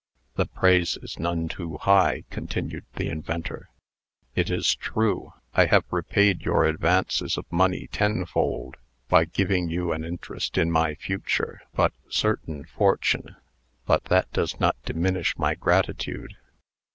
"The praise is none too high," continued the inventor. "It is true, I have repaid your advances of money tenfold, by giving you an interest in my future but certain fortune. But that does not diminish my gratitude."